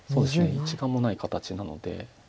１眼もない形なので。